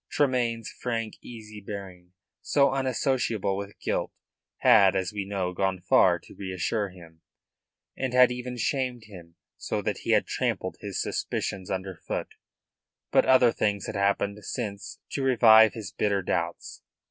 Tremayne's frank, easy bearing, so unassociable with guilt, had, as we know, gone far, to reassure him, and had even shamed him, so that he had trampled his suspicions underfoot. But other things had happened since to revive his bitter doubts.